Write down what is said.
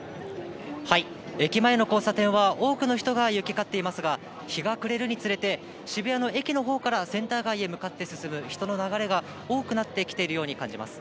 駅前の交差点は、多くの人が行き交っていますが、日が暮れるにつれて、渋谷の駅のほうからセンター街へ向かって進む人の流れが多くなってきているように感じます。